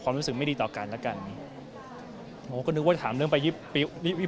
เราไม่อยากอุ่นข้อมูลเข้าในเรื่องนี้